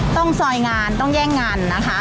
ซอยงานต้องแย่งงานนะคะ